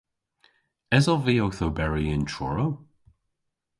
Esov vy owth oberi yn Truru?